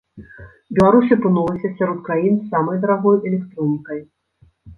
Беларусь апынулася сярод краін з самай дарагой электронікай.